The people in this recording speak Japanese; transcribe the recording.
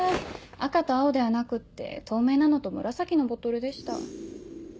赤と青ではなくって透明なのと紫のボトルでした。